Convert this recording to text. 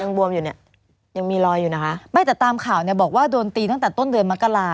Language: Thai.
บวมอยู่เนี่ยยังมีรอยอยู่นะคะไม่แต่ตามข่าวเนี่ยบอกว่าโดนตีตั้งแต่ต้นเดือนมกรา